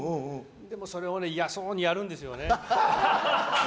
でもそれをね、嫌そうにやるんですよね。